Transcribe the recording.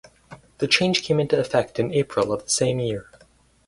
The change came into effect in April of the same year.